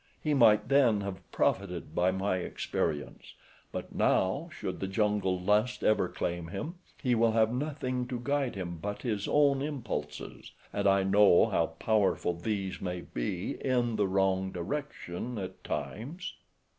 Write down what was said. He might then have profited by my experience, but now, should the jungle lust ever claim him, he will have nothing to guide him but his own impulses, and I know how powerful these may be in the wrong direction at times."